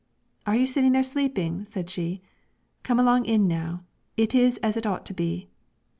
'Are you sitting there sleeping?' said she; 'come along in now, it is as it ought to be.